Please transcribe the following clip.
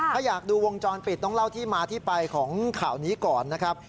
ถ้าอยากดูวงจรปิดต้องเล่าที่มาที่ไปของข่าวนี้ก่อนนะครับ